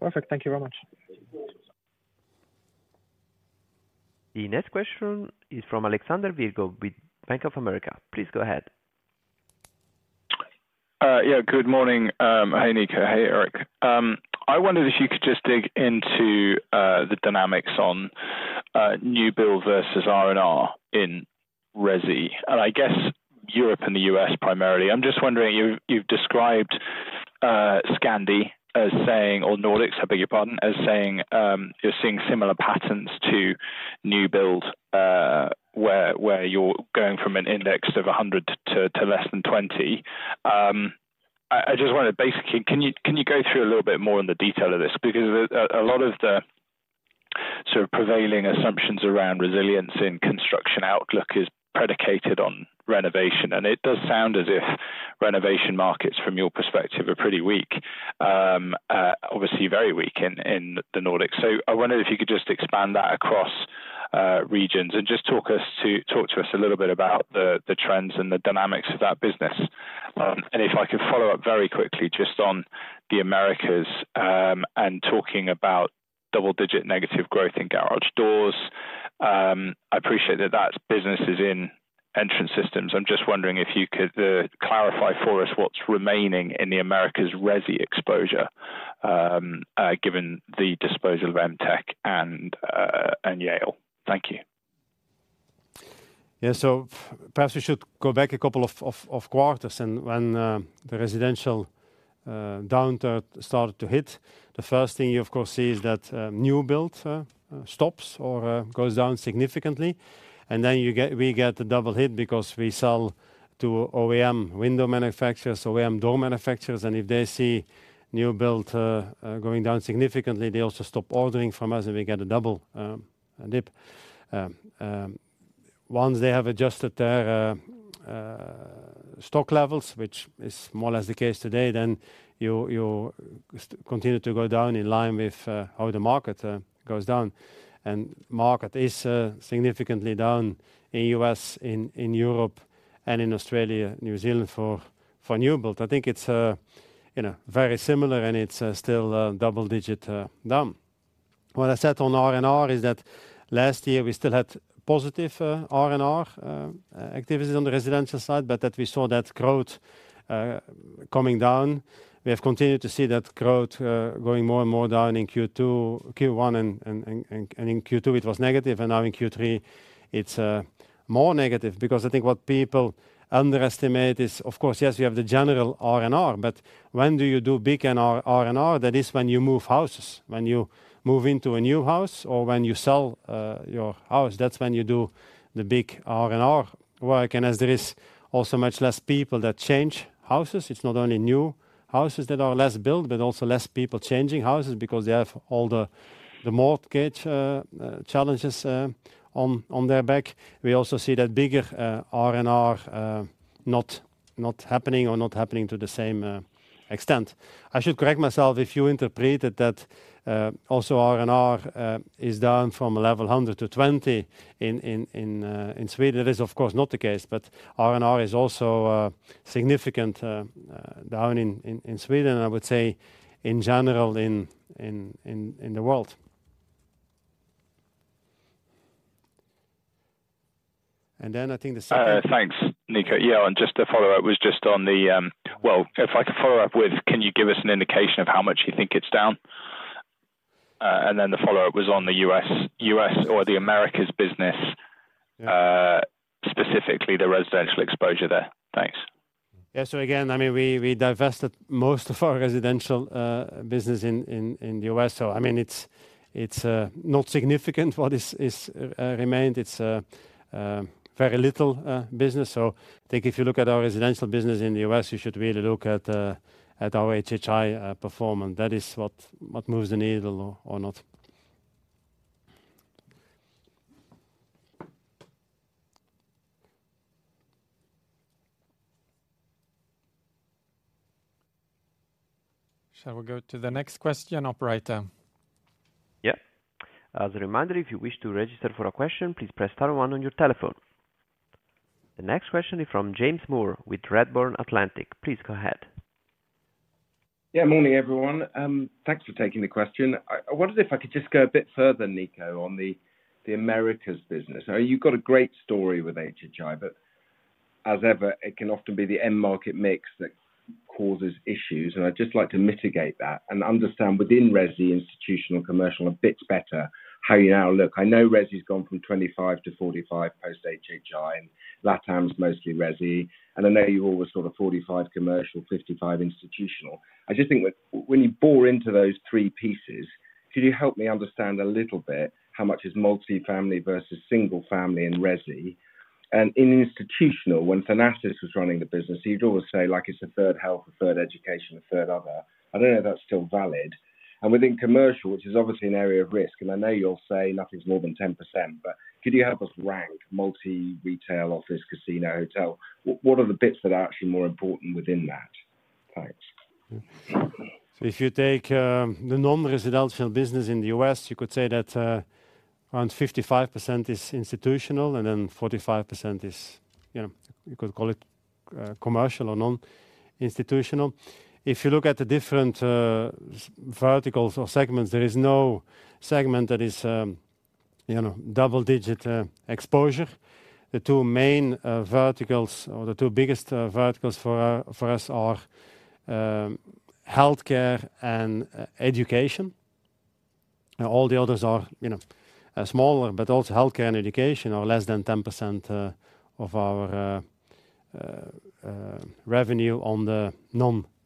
Perfect. Thank you very much. The next question is from Alexander Virgo with Bank of America. Please go ahead. Yeah, good morning. Hi, Nico. Hey, Erik. I wondered if you could just dig into the dynamics on new build versus R&R in resi, and I guess Europe and the US primarily. I'm just wondering, you've described Scandi as saying or Nordics, I beg your pardon, as saying you're seeing similar patterns to new builds where you're going from an index of 100 to less than 20. I just wanted to basically... Can you go through a little bit more on the detail of this? Because a lot of the sort of prevailing assumptions around resilience in construction outlook is predicated on renovation, and it does sound as if renovation markets, from your perspective, are pretty weak. Obviously very weak in the Nordics. So I wonder if you could just expand that across regions and just talk to us a little bit about the trends and the dynamics of that business. And if I could follow up very quickly, just on the Americas, and talking about double-digit negative growth in garage doors. I appreciate that that business is in entrance systems. I'm just wondering if you could clarify for us what's remaining in the Americas resi exposure, given the disposal of Emtek and Yale. Thank you. Yeah. So perhaps we should go back a couple of quarters and when the residential downturn started to hit, the first thing you of course see is that new build stops or goes down significantly. And then you get—we get a double hit because we sell to OEM window manufacturers, OEM door manufacturers, and if they see new build going down significantly, they also stop ordering from us, and we get a double dip. Once they have adjusted their stock levels, which is more or less the case today, then you continue to go down in line with how the market goes down. And market is significantly down in U.S., in Europe, and in Australia, New Zealand, for new build. I think it's, you know, very similar, and it's still double-digit down. What I said on R&R is that last year we still had positive R&R activities on the residential side, but that we saw that growth coming down. We have continued to see that growth going more and more down in Q1 and Q2 it was negative, and now in Q3 it's more negative. Because I think what people underestimate is, of course, yes, we have the general R&R, but when do you do big R&R? That is when you move houses. When you move into a new house or when you sell your house, that's when you do the big R&R work. And as there is also much less people that change houses, it's not only new houses that are less built, but also less people changing houses because they have all the mortgage challenges on their back. We also see that bigger R&R not happening or not happening to the same extent. I should correct myself if you interpreted that also R&R is down from a level 100 to 20 in Sweden. That is, of course, not the case, but R&R is also significantly down in Sweden, and I would say in general in the world. And then I think the second- Thanks, Nico. Yeah, and just to follow up was just on the. Well, if I could follow up with, can you give us an indication of how much you think it's down? And then the follow-up was on the US, US or the America's business- Yeah... specifically the residential exposure there. Thanks. Yeah. So again, I mean, we divested most of our residential business in the U.S. So, I mean, it's not significant what is remained. It's very little business. So I think if you look at our residential business in the U.S., you should really look at our HHI performance. That is what moves the needle or not. Shall we go to the next question, operator? Yeah. As a reminder, if you wish to register for a question, please press star one on your telephone. The next question is from James Moore with Redburn Atlantic. Please go ahead. Yeah. Morning, everyone. Thanks for taking the question. I wondered if I could just go a bit further, Nico, on the Americas business. Now, you've got a great story with HHI, but as ever, it can often be the end market mix that causes issues, and I'd just like to mitigate that and understand within resi, institutional, commercial, a bit better how you now look. I know resi's gone from 25 to 45 post HHI, and LatAm's mostly resi, and I know you're all sort of 45 commercial, 55 institutional. I just think that when you bore into those three pieces, could you help me understand a little bit how much is multifamily versus single family in resi? And in institutional, when Thanasis was running the business, he'd always say, like, it's a third health, a third education, a third other. I don't know if that's still valid... And within commercial, which is obviously an area of risk, and I know you'll say nothing's more than 10%, but could you help us rank multi-retail, office, casino, hotel? What, what are the bits that are actually more important within that? Thanks. If you take the non-residential business in the U.S., you could say that around 55% is institutional and then 45% is, you know, you could call it commercial or non-institutional. If you look at the different verticals or segments, there is no segment that is, you know, double-digit exposure. The two main verticals or the two biggest verticals for our, for us are healthcare and education. All the others are, you know, smaller, but also healthcare and education are less than 10% of our revenue on the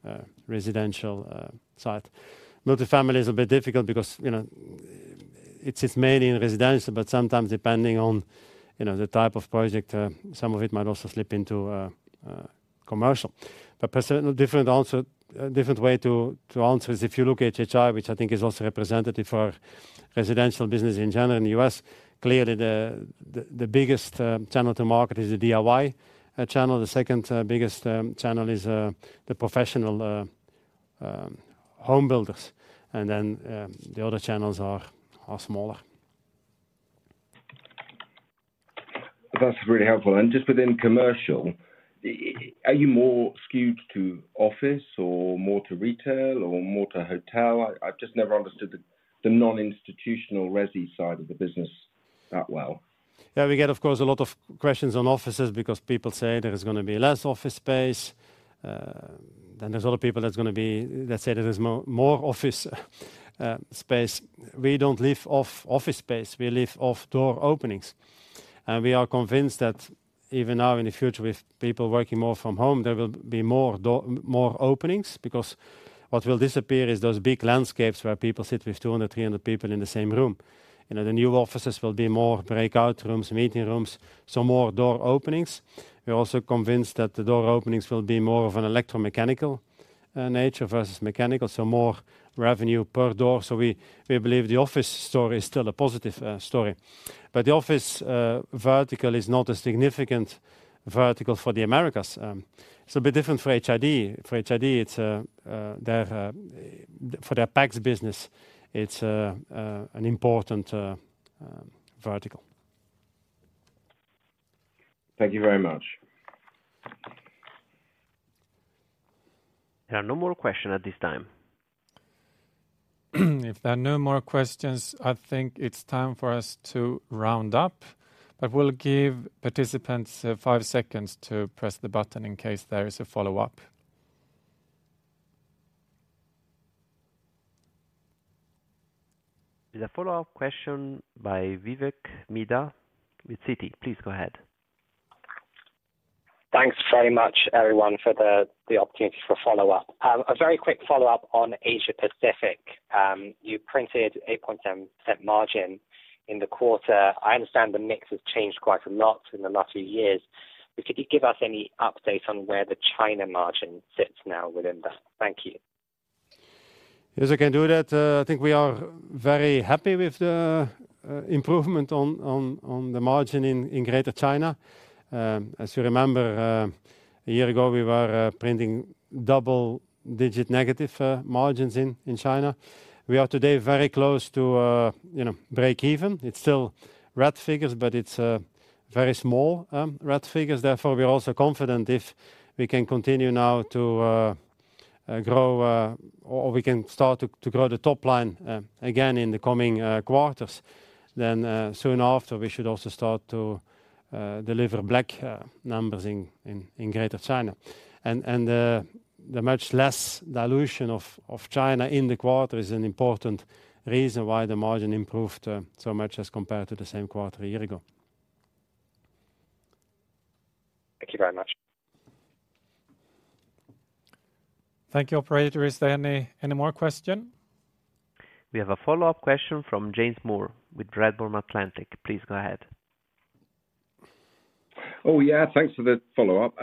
non-residential side. Multifamily is a bit difficult because, you know, it's, it's mainly in residential, but sometimes depending on, you know, the type of project, some of it might also slip into commercial. But personally, different answer, different way to answer is if you look at HHI, which I think is also representative for residential business in general in the U.S., clearly the biggest channel to market is the DIY channel. The second biggest channel is the professional home builders, and then the other channels are smaller. That's really helpful. And just within commercial, are you more skewed to office or more to retail or more to hotel? I've just never understood the non-institutional resi side of the business that well. Yeah, we get, of course, a lot of questions on offices because people say there is gonna be less office space. Then there's other people that say there is more office space. We don't live off office space, we live off door openings. And we are convinced that even now in the future, with people working more from home, there will be more door openings, because what will disappear is those big landscapes where people sit with 200, 300 people in the same room. And the new offices will be more breakout rooms, meeting rooms, so more door openings. We're also convinced that the door openings will be more of an electromechanical nature versus mechanical, so more revenue per door. So we believe the office story is still a positive story. But the office vertical is not a significant vertical for the Americas. It's a bit different for HID. For HID, for their PACS business, it's an important vertical. Thank you very much. There are no more questions at this time. If there are no more questions, I think it's time for us to round up, but we'll give participants five seconds to press the button in case there is a follow-up. There's a follow-up question by Vivek Midha with Citi. Please go ahead. Thanks very much, everyone, for the opportunity for follow-up. A very quick follow-up on Asia Pacific. You printed 8.7% margin in the quarter. I understand the mix has changed quite a lot in the last few years, but could you give us any update on where the China margin sits now within that? Thank you. Yes, I can do that. I think we are very happy with the improvement on the margin in Greater China. As you remember, a year ago, we were printing double-digit negative margins in China. We are today very close to, you know, breakeven. It's still red figures, but it's very small red figures. Therefore, we are also confident if we can continue now to grow, or we can start to grow the top line again in the coming quarters, then soon after, we should also start to deliver black numbers in Greater China. And the much less dilution of China in the quarter is an important reason why the margin improved so much as compared to the same quarter a year ago. Thank you very much. Thank you. Operator, is there any more question? We have a follow-up question from James Moore with Redburn Atlantic. Please go ahead. Oh, yeah. Thanks for the follow-up.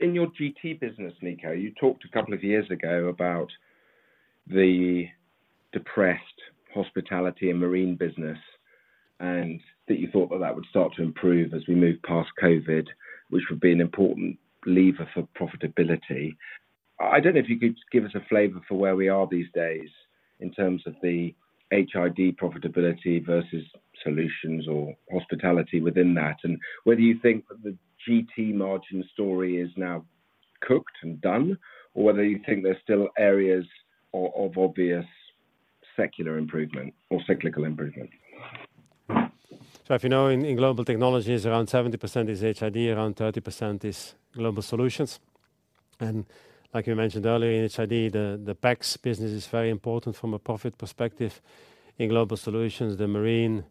In your GT business, Nico, you talked a couple of years ago about the depressed hospitality and marine business, and that you thought that would start to improve as we move past COVID, which would be an important lever for profitability. I don't know if you could give us a flavor for where we are these days in terms of the HID profitability versus solutions or hospitality within that, and whether you think that the GT margin story is now cooked and done, or whether you think there's still areas of, of obvious secular improvement or cyclical improvement? So if you know, in Global Technologies, around 70% is HID, around 30% is Global Solutions. And like you mentioned earlier, in HID, the PACS business is very important from a profit perspective. In Global Solutions, the marine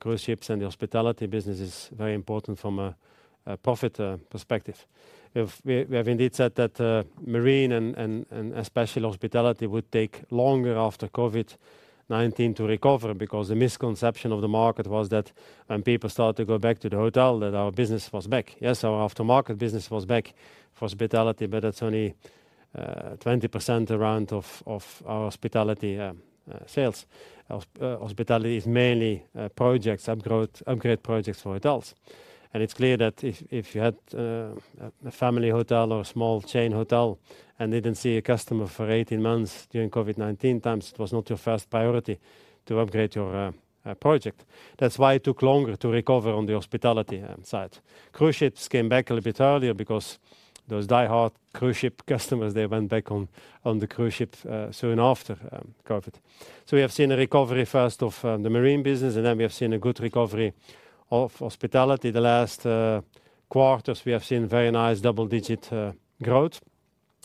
cruise ships and the hospitality business is very important from a profit perspective. We've have indeed said that, marine and especially hospitality, would take longer after COVID-19 to recover, because the misconception of the market was that when people started to go back to the hotel, that our business was back. Yes, our aftermarket business was back for hospitality, but that's only around 20% of our hospitality sales. Hospitality is mainly projects, upgrade projects for hotels. It's clear that if you had a family hotel or a small chain hotel and didn't see a customer for 18 months during COVID-19 times, it was not your first priority to upgrade your project. That's why it took longer to recover on the hospitality side. Cruise ships came back a little bit earlier because those diehard cruise ship customers, they went back on the cruise ship soon after COVID. So we have seen a recovery first of the marine business, and then we have seen a good recovery of hospitality. The last quarters, we have seen very nice double-digit growth,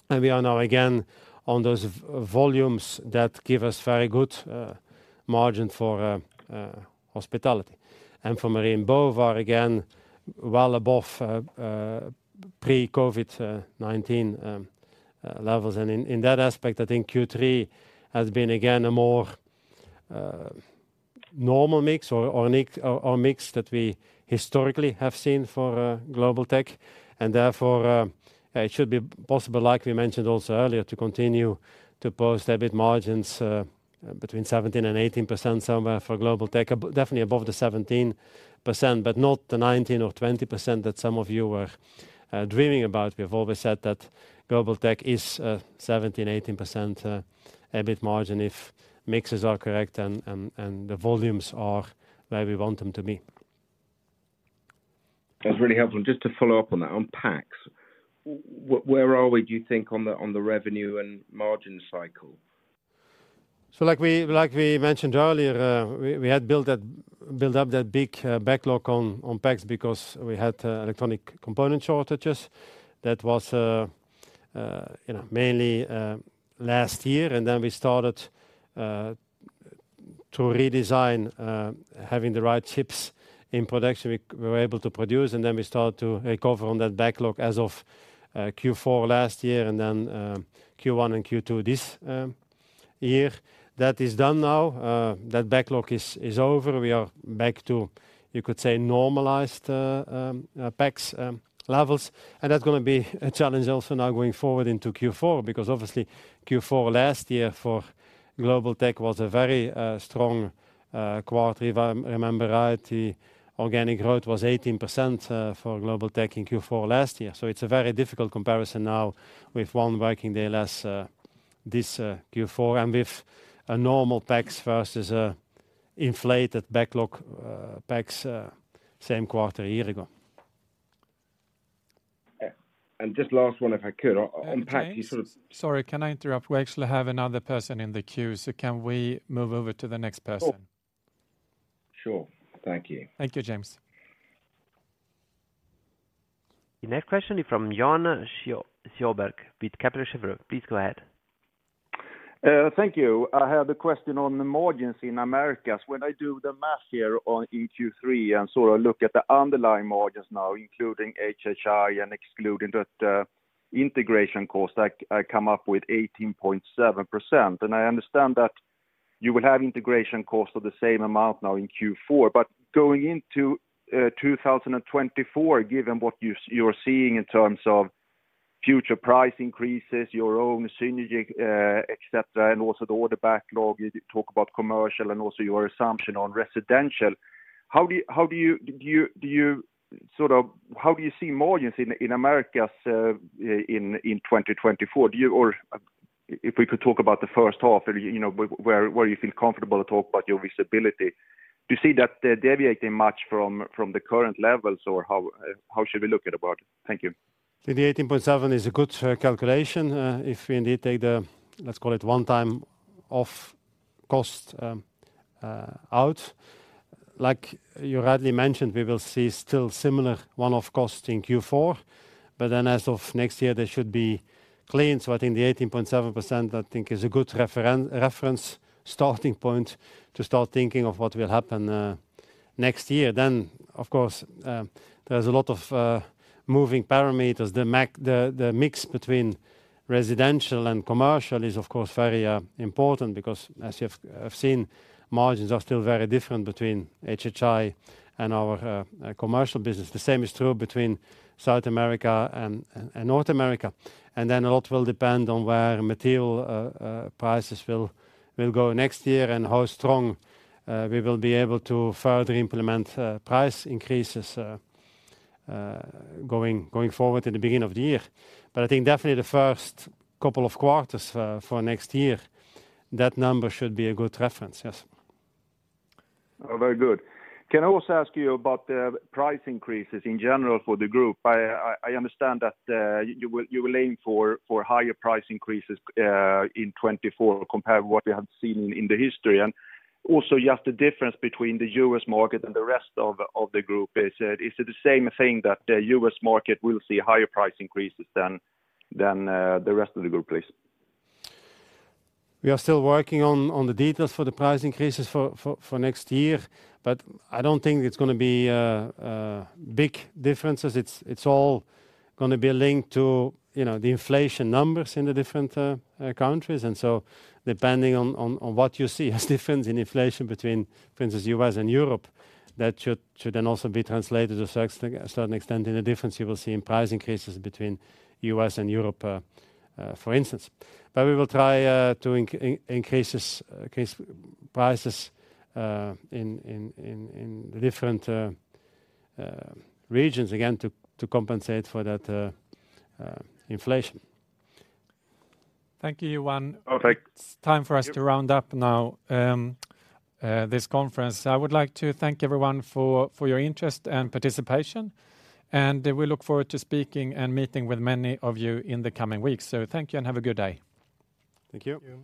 and we are now again on those volumes that give us very good margin for hospitality. And for marine, both are again well above pre-COVID 2019 levels. In that aspect, I think Q3 has been, again, a more normal mix that we historically have seen for Global Tech. Therefore, it should be possible, like we mentioned also earlier, to continue to post EBIT margins between 17%-18% somewhere for Global Tech. Definitely above the 17%, but not the 19% or 20% that some of you were dreaming about. We have always said that Global Tech is 17%-18% EBIT margin if mixes are correct and the volumes are where we want them to be. That's really helpful. Just to follow up on that, on PACS, where are we, do you think, on the, on the revenue and margin cycle? So, like we mentioned earlier, we had built up that big backlog on PACS because we had electronic component shortages. That was, you know, mainly last year. And then we started to redesign, having the right chips in production, we were able to produce, and then we started to recover on that backlog as of Q4 last year, and then Q1 and Q2 this year. That is done now. That backlog is over. We are back to, you could say, normalized PACS levels. And that's gonna be a challenge also now going forward into Q4, because obviously, Q4 last year for Global Tech was a very strong quarter. If I remember right, the organic growth was 18% for Global Tech in Q4 last year. So it's a very difficult comparison now with one working day less, this Q4, and with a normal PACS versus an inflated backlog PACS same quarter a year ago. Yeah. Just last one, if I could, on PACS- James? Sorry, can I interrupt? We actually have another person in the queue, so can we move over to the next person? Sure. Thank you. Thank you, James. The next question is from Johan Sjoberg with Kepler Cheuvreux. Please go ahead. Thank you. I had a question on the margins in Americas. When I do the math here on Q3, and sort of look at the underlying margins now, including HHI and excluding that integration cost, I come up with 18.7%. I understand that you will have integration costs of the same amount now in Q4, but going into 2024, given what you're seeing in terms of future price increases, your own synergy, et cetera, and also the order backlog, you did talk about commercial and also your assumption on residential. How do you see margins in Americas in 2024? Do you...If we could talk about the first half, you know, where you feel comfortable to talk about your visibility. Do you see that deviating much from the current levels, or how should we look at about it? Thank you. The 18.7% is a good calculation. If we indeed take the, let's call it, one-time off cost out. Like you rightly mentioned, we will see still similar one-off costs in Q4, but then as of next year, they should be clean. So I think the 18.7%, I think, is a good reference starting point to start thinking of what will happen next year. Then, of course, there's a lot of moving parameters. The, the mix between residential and commercial is, of course, very important because as you have seen, margins are still very different between HHI and our commercial business. The same is true between South America and North America. And then a lot will depend on where material prices will go next year and how strong we will be able to further implement price increases going forward in the beginning of the year. But I think definitely the first couple of quarters for next year, that number should be a good reference. Yes. Oh, very good. Can I also ask you about the price increases in general for the group? I understand that you will aim for higher price increases in 2024 compared to what you have seen in the history. And also, just the difference between the U.S. market and the rest of the group. Is it the same thing that the U.S. market will see higher price increases than the rest of the group, please? We are still working on the details for the price increases for next year, but I don't think it's gonna be big differences. It's all gonna be linked to, you know, the inflation numbers in the different countries. And so depending on what you see as difference in inflation between, for instance, U.S. and Europe, that should then also be translated to a certain extent, in the difference you will see in price increases between U.S. and Europe, for instance. But we will try to increase prices in different regions, again, to compensate for that inflation. Thank you, Johan. Okay. It's time for us to round up now, this conference. I would like to thank everyone for your interest and participation, and we look forward to speaking and meeting with many of you in the coming weeks. Thank you and have a good day. Thank you.